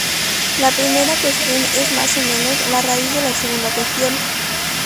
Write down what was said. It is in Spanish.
La primera cuestión es más o menos la raíz de la segunda cuestión.